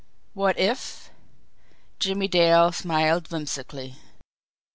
What if Jimmie Dale smiled whimsically.